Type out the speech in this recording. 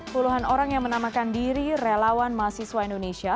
puluhan orang yang menamakan diri relawan mahasiswa indonesia